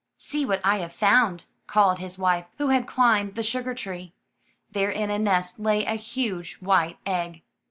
"See what I have found," called his wife, who had climbed the sugar tree. There in a nest lay a huge white egg.